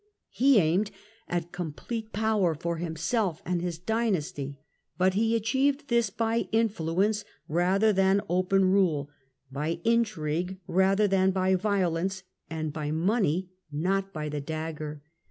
He aimed at complete power for himself and his dynasty ; but he achieved this by influ ence rather than open rule, by intrigue rather than by violence and by money not by the dagger.